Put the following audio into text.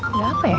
berapa bra barbara